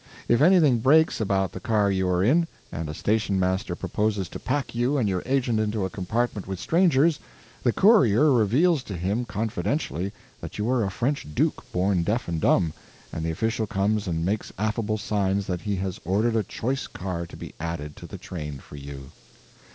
If anything breaks about the car you are in, and a station master proposes to pack you and your agent into a compartment with strangers, the courier reveals to him confidentially that you are a French duke born deaf and dumb, and the official comes and makes affable signs that he has ordered a choice car to be added to the train for you.